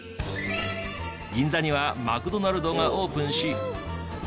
銀座にはマクドナルドがオープンし。